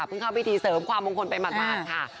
เพิ่งเข้าวิธีเสริมความองคลไปหมด๒ค่ะ